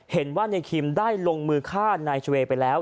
เป็นว่านายคิมได้ลงมือฆ่าในชวไปแล้ว